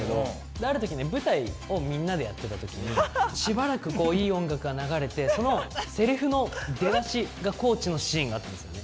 ある時舞台をみんなでやってた時にしばらくいい音楽が流れてそのセリフの出だしが地のシーンがあったんですよね。